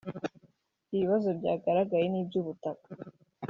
Ibibazo byagaragaye ni iby’ubutaka